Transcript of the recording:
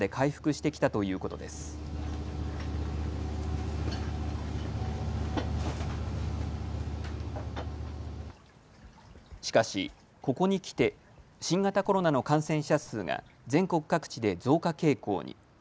しかし、ここに来て新型コロナの感染者数が全国各地で増加傾向に。